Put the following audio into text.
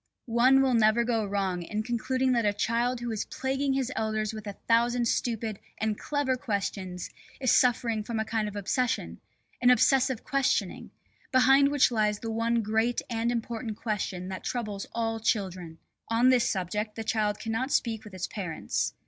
One will never go wrong in concluding that a child who is plaguing his elders with a thousand stupid and clever questions is suffering from a kind of obsession, an obsessive questioning, behind which lies the one great and important question that troubles all children. On this subject the child cannot speak with its parents.